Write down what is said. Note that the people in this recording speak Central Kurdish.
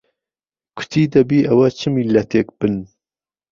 کوتی دهبی ئهوه چ میللهتێکبن